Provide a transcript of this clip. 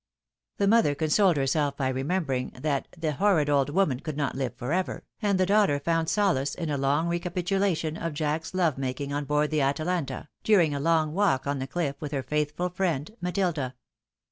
The mother consoled herself by remembering, that "the horrid old woman could not live for ever," and the daughter found solace in a long recapitulation of Jack's love making on board the Atalanta, during a long walk on the chff with her faithful friend Matilda.